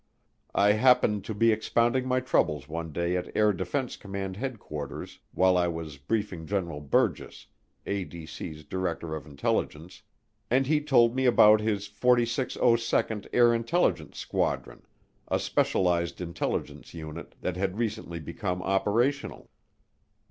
I happened to be expounding my troubles one day at Air Defense Command Headquarters while I was briefing General Burgess, ADC's Director of Intelligence, and he told me about his 4602nd Air Intelligence Squadron, a specialized intelligence unit that had recently become operational.